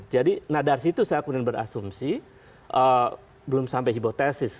jadi nah dari situ saya kemudian berasumsi belum sampai hipotesis